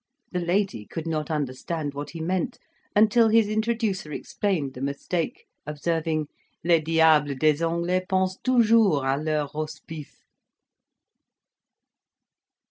The lady could not understand what he meant, until his introducer explained the mistake, observing, "Les diables des Anglais pensent toujours a leur Rosbif."